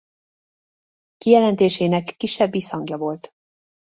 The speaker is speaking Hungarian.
Kijelentésének kisebb visszhangja volt.